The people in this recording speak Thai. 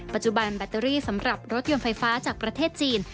ปัจจุบันแบตเตอรี่สำหรับรถยนต์ไฟฟ้าจากประเทศจีน